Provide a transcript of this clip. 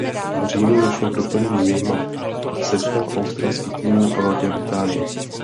V říjnu došlo k doplnění vyjma sestav australských týmů a Velké Británie.